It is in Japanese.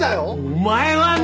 お前はね！